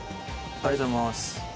ありがとうございます。